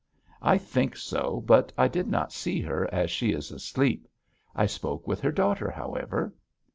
'I think so, but I did not see her, as she is asleep. I spoke with her daughter, however.'